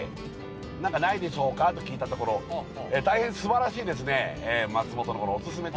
「何かないでしょうか」と聞いたところ大変素晴らしいですね